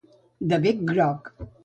De bec groc.